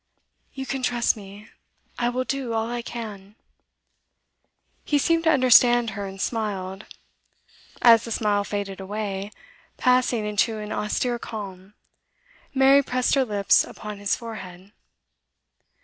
'You can trust me, I will do all I can.' He seemed to understand her, and smiled. As the smile faded away, passing into an austere calm, Mary pressed her lips upon his forehead.